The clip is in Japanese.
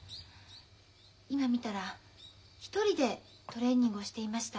今見たら一人でトレーニングをしていました。